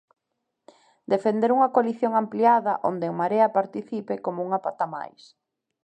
Defender unha coalición ampliada, onde En Marea participe como unha pata máis.